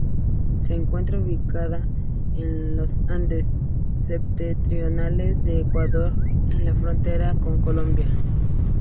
Se encuentra ubicada en los Andes Septentrionales del Ecuador en la frontera con Colombia.